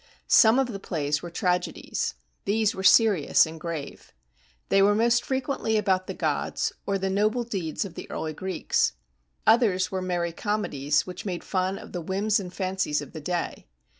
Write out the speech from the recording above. Some of the plays were tragedies. These were serious and grave. They were most frequently about the gods or the noble deeds of the early Greeks. Others were merry comedies which made fun of the whims and fancies of the day.